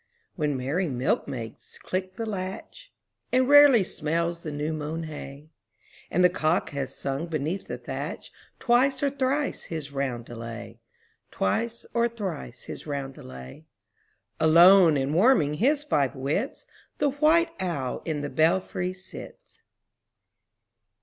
When merry milkmaids click the latch. And rarely smells the new mown hay, And the cock hath sung beneath the thatch Twice or thrice his roundelay; Twice or thrice his roundelay; Alone and warming his five wits, The white owl in the belfry sits.